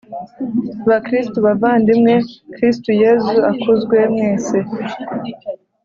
bakristu, bavandimwe, kristu yezu akuzwe mwese